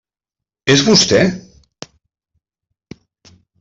És vostè?